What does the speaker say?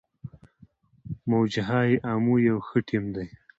موج های امو یو ښه ټیم دی.